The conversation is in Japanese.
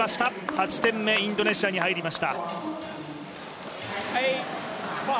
８点目、インドネシアに入りました。